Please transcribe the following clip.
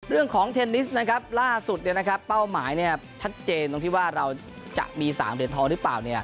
เรื่องของเทนนิสล่าสุดเป้าหมายชัดเจนตรงที่ว่าเราจะมีสามเดือนท้อหรือเปล่า